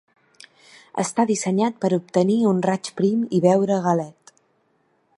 Està dissenyat per obtenir un raig prim i beure a galet.